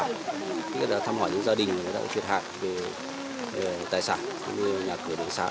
chúng tôi đã thăm hỏi những gia đình đã thiệt hại về tài sản như nhà cửa đường xã